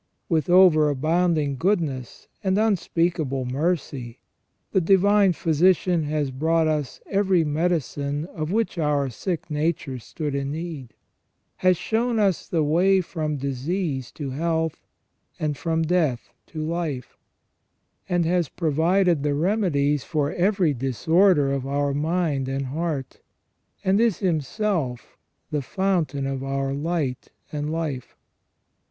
With over abounding goodness and unspeakable mercy, the Divine Physician has brought us every medicine of which our sick nature stood in need ; has shown us the way from disease to health, and from death to life ; and has provided the remedies for every disorder of our mind and heart, and is Himself the fountain of our light and life.